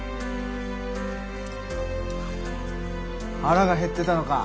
腹が減ってたのか。